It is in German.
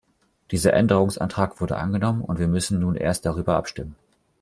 Dieser Änderungsantrag wurde angenommen, und wir müssen nun erst darüber abstimmen.